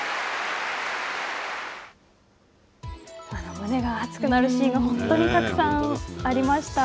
胸が熱くなるシーンが本当にたくさんありました。